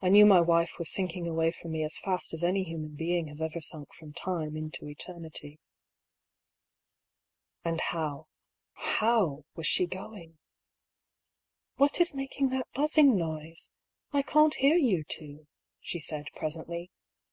I knew my wife was sinking away from me as fast as any human being has ever sunk from time into eternity. And how — how was she going ?'^ What is making that buzzing noise ? I can't hear you two," she said presently.